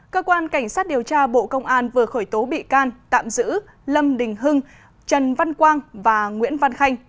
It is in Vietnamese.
cơ quan cảnh sát điều tra bộ công an vừa khởi tố bị can tạm giữ lâm đình hưng trần văn quang và nguyễn văn khanh